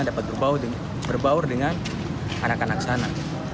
dapat berbaur dengan anak anak sana